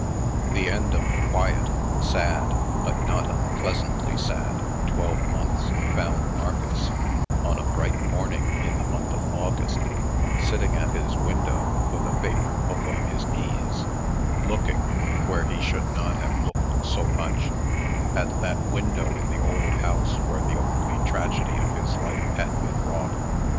The end of the quiet, sad (but not unpleasantly sad) twelve months found Marcus, on a bright morning in the month of August, sitting at his window, with a favorite book on his knees, looking where he should not have looked so much at that window in the old house where the only tragedy of his life had been wrought.